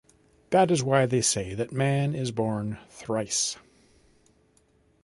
That is why they say that man is born thrice.